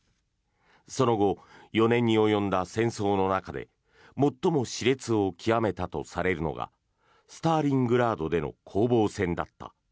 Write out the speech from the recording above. その後、４年に及んだ戦争の中で最も熾烈を極めたとされるのがスターリングラードでの攻防戦だった。